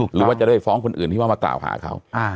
หรือว่าจะได้ฟ้องคนอื่นที่ว่ามากล่าวหาเขา